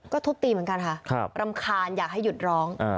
ก็ทุบตีเหมือนกันค่ะรำคาญอยากให้หยุดร้อง